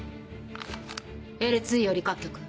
Ｌ２より各局。